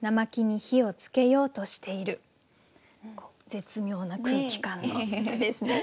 絶妙な空気感の歌ですね。